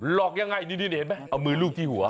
อกยังไงนี่เห็นไหมเอามือลูบที่หัว